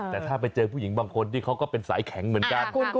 แต่ถ้าไปเจอผู้หญิงบางคนที่เขาก็เป็นสายแข็งเหมือนกัน